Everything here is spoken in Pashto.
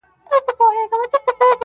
د گريوان ډورۍ ته دادی ځان ورسپاري~